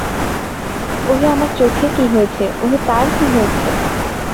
ওহে আমার চোখের কি হয়েছে, ওহে তার কী হয়েছে?